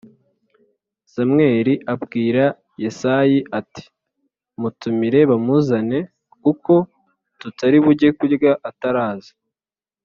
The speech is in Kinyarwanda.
Samweli abwira Yesayi ati “Mutumire bamuzane, kuko tutari bujye kurya ataraza.”